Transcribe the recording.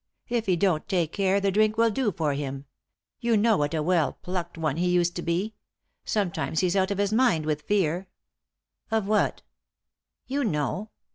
If he don't take care the drink will do for him. You know what a well plucked one he used to be — sometimes he's out of his mind with fear." "Of what?" "You know."